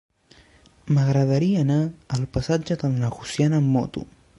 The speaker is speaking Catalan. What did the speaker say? M'agradaria anar al passatge del Negociant amb moto.